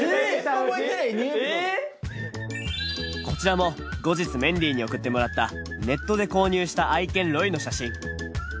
こちらも後日メンディーに送ってもらったネットで購入した愛犬ロイの写真。